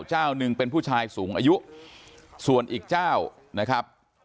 เจ้าหนึ่งเป็นผู้ชายสูงอายุส่วนอีกเจ้านะครับ